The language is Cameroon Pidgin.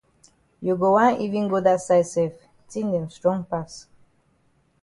You go wan even go dat side sef tin dem strong pass.